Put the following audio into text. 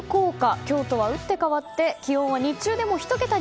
今日とは打って変わって気温は日中でも１桁に